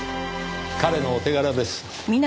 彼のお手柄です。